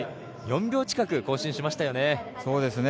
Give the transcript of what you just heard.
４秒近く更新しましたね。